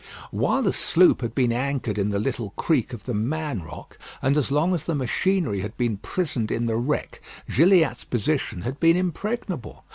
While the sloop had been anchored in the little creek of "The Man Rock," and as long as the machinery had been prisoned in the wreck, Gilliatt's position had been impregnable.